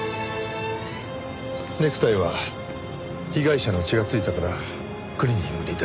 ネクタイは被害者の血が付いたからクリーニングに出した。